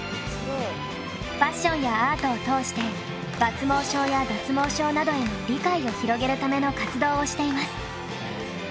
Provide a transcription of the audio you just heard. ファッションやアートを通して抜毛症や脱毛症などへの理解を広げるための活動をしています。